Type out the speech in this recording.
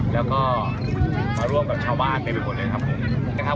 แล้วก็มาร่วมกับชาวบ้านไปไปหมดนะครับ